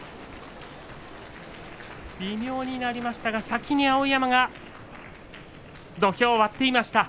微妙になりましたが先に、碧山が土俵を割っていました。